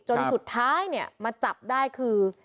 จนสุดท้ายเนี่ยมาจับได้คือ